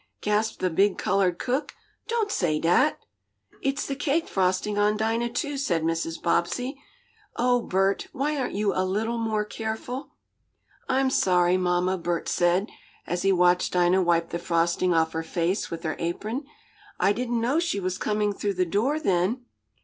gasped the big, colored cook. "Don't say dat!" "It's the cake frosting on Dinah, too!" said Mrs. Bobbsey. "Oh, Bert! why aren't you a little more careful?" "I'm sorry, mamma," Bert said, as he watched Dinah wipe the frosting off her face with her apron. "I didn't know she was coming through the door then."